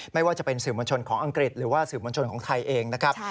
ไม่ว่าจะเป็นสื่อมวลชนของอังกฤษหรือว่าสื่อมวลชนของไทยเองนะครับ